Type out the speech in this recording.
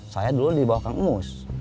saya dulu dibawah kang mus